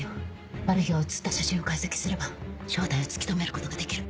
マル被が写った写真を解析すれば正体を突き止めることができる。